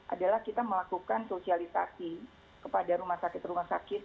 adalah kita melakukan sosialisasi kepada rumah sakit rumah sakit